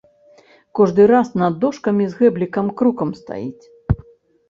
Кожны раз над дошкамі з гэблікам крукам стаіць.